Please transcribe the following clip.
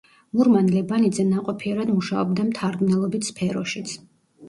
მურმან ლებანიძე ნაყოფიერად მუშაობდა მთარგმნელობით სფეროშიც.